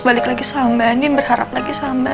balik lagi sama andin berharap lagi sama